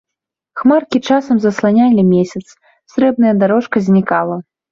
Хмаркі часам засланялі месяц, срэбная дарожка знікала.